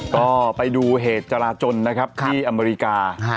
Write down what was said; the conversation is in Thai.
ก็ไปดูเหตุจาราจรที่อเมริกา